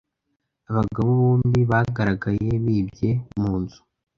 Abagabo bombi bagaragaye bibye mu nzu.